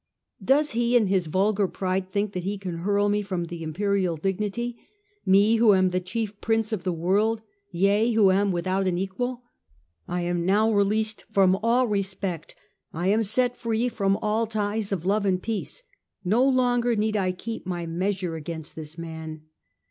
Does he, in his vulgar pride, think that he shall hurl me from the Imperial dignity ; me, who am the chief Prince of the world, yea, who am with out an equal ? I am now released from all respect ; I am set free from all ties of love and peace ; no longer need I keep any measure against this man."